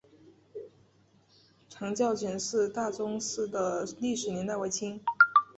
长教简氏大宗祠的历史年代为清。